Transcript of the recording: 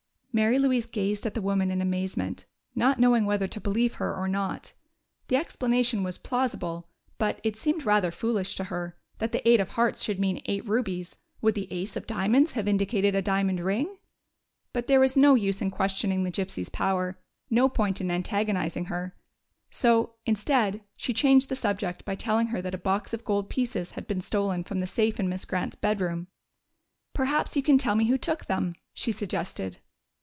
Mary Louise gazed at the woman in amazement, not knowing whether to believe her or not. The explanation was plausible, but it seemed rather foolish to her that the eight of hearts should mean eight rubies.... Would the ace of diamonds have indicated a diamond ring? But there was no use in questioning the gypsy's power, no point in antagonizing her. So, instead, she changed the subject by telling her that a box of gold pieces had been stolen from the safe in Miss Grant's bedroom. "Perhaps you can tell me who took them?" she suggested.